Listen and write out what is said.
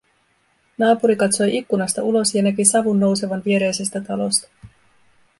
Naapuri katsoi ikkunasta ulos ja näki savun nousevan viereisestä talosta